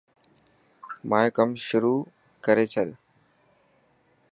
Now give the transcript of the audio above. مايو ڪم شروح ڪري ڇڏ.